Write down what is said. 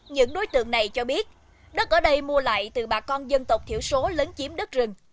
những đối tượng này cho biết đất ở đây mua lại từ bà con dân tộc thiểu số lấn chiếm đất rừng